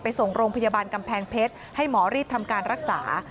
ส่งโรงพยาบาลกำแพงเพชรให้หมอรีบทำการรักษา